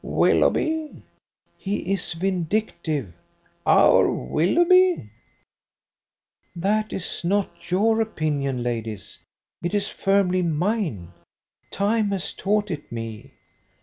"Willoughby?" "He is vindictive!" "Our Willoughby?" "That is not your opinion, ladies. It is firmly mine. Time has taught it me.